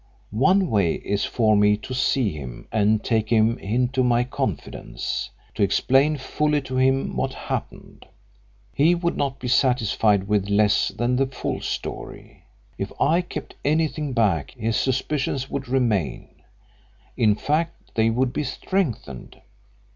One way is for me to see him and take him into my confidence to explain fully to him what happened. He would not be satisfied with less than the full story. If I kept anything back his suspicions would remain; in fact, they would be strengthened.